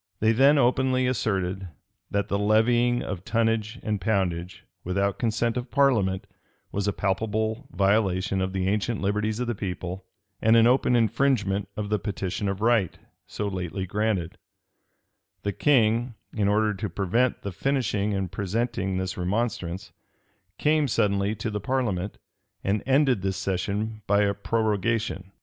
They then openly asserted, that the levying of tonnage and poundage without consent of parliament, was a palpable violation of the ancient liberties of the people, and an open infringement of the petition of right, so lately granted.[*] The king, in order to prevent the finishing and presenting this remonstrance, came suddenly to the parliament, and ended this session by a prorogation.[] * Rushworth, vol. i. p. 628. Journ. 18th 20th June, 1628. Journ, 26th June, 1628.